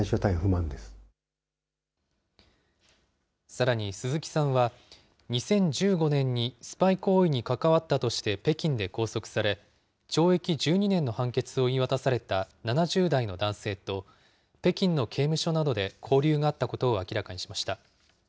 さらに鈴木さんは、２０１５年にスパイ行為に関わったとして北京で拘束され、懲役１２年の判決を言い渡された７０代の男性と、北京の刑務所などで交流があったことを明らかにしました。